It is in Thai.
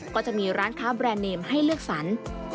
ก็จะมีร้านค้าแบรนด์เนมให้เลือกสรร